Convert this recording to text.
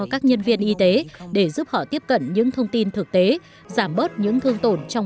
các nhân viên y tế để giúp họ tiếp cận những thông tin thực tế giảm bớt những thương tổn trong